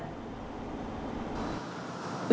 ủy ban nhân dân phường trung liệt